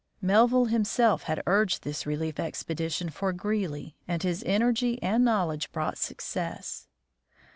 Melville himself had urged this relief expedition for Greely, and his energy and knowledge brought success.